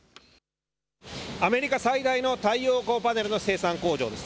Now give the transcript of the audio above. アメリカ最大の太陽光パネルの生産工場です。